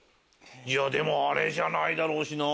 でもあれじゃないだろうしな。